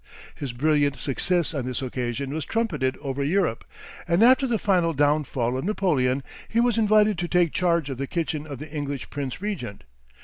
His brilliant success on this occasion was trumpeted over Europe, and after the final downfall of Napoleon he was invited to take charge of the kitchen of the English Prince Regent.